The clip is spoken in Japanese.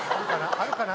あるかな？